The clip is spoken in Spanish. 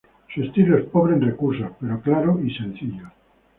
Su estilo es pobre en recursos, pero claro y sencillo.